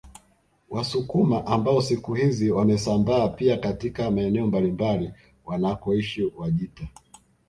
Wasukuma ambao siku hizi wamesambaa pia katika maeneo mbalimbali wanakoishi Wajita